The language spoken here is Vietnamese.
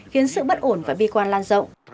khiến sự bất ổn và bi quan lan rộng